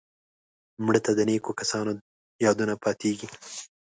مړه ته د نیکو کسانو یادونه پاتېږي